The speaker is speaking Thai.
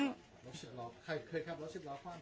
เคยรับรถสิบล้อฟัง